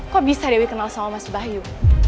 kok bisa dewi kenal sama mas bayu